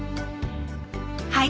はい！